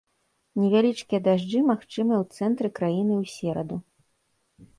Невялічкія дажджы магчымыя ў цэнтры краіны ў сераду.